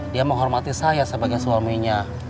dia menghormati saya sebagai suaminya